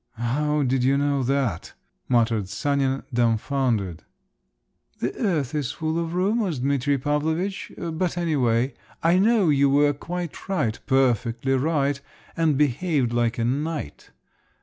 "How did you know that?" muttered Sanin, dumfoundered. "The earth is full of rumours, Dimitri Pavlovitch; but anyway, I know you were quite right, perfectly right, and behaved like a knight.